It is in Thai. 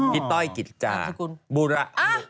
พี่ต้อยกิจกะ